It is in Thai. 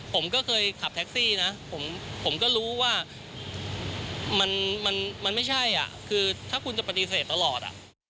ผมก็เคยขับแท็กซี่นะผมก็รู้ว่ามันไม่ใช่คือถ้าคุณจะปฏิเสธตลอด